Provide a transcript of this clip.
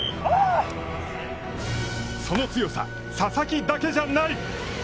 その強さ、佐々木だけじゃない。